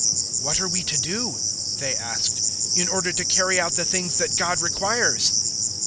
006:028 "What are we to do," they asked, "in order to carry out the things that God requires?"